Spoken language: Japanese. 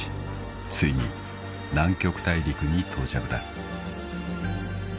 ［ついに南極大陸に到着だ］